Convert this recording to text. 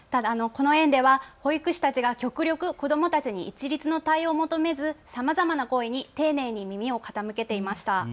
この園では保育士たちが極力子どもたちに一律の対応を求めずさまざまな声に丁寧に耳を傾けていました。